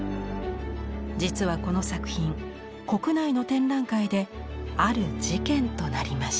実はこの作品国内の展覧会である事件となりました。